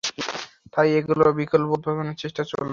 তাই এগুলোর বিকল্প উদ্ভাবনের চেষ্টা চলছে।